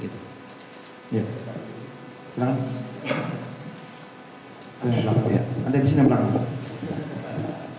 ada yang disini yang melanggar